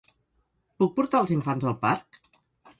Puc portar els infants al parc?